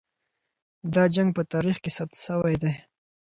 دا جنګ په تاریخ کې ثبت سوی دی.